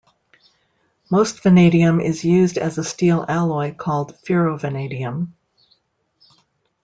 Most vanadium is used as a steel alloy called ferrovanadium.